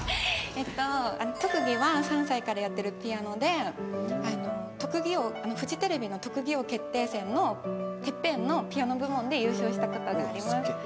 えっと特技は３歳からやってるピアノで『特技王』フジテレビの『特技王決定戦』の『ＴＥＰＰＥＮ』のピアノ部門で優勝した事があります。